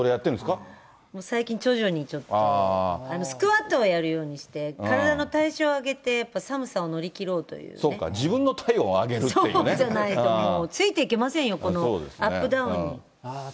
最近、徐々にちょっと、スクワットはやるようにして、体の代謝を上げて、そうか、自分の体温を上げるそうじゃないともう、ついていけませんよ、このアップダウンに。